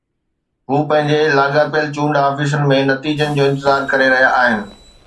هو پنهنجي لاڳاپيل چونڊ آفيسن ۾ نتيجن جو انتظار ڪري رهيا آهن